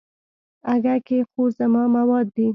اگه کې خو زما مواد دي.